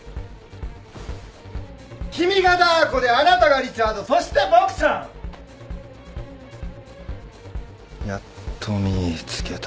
君がダー子であなたがリチャードそしてボクちゃん！やっと見つけた。